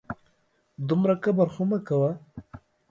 دومره کبر خو مه کوه